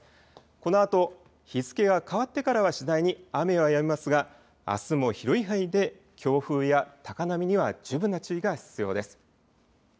このあと日付が変わってからは次第に雨はやみますがあすも広い範囲で強風や高波には十分な注意が必要です。